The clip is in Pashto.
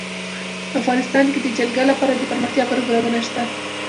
افغانستان کې د جلګه لپاره دپرمختیا پروګرامونه شته.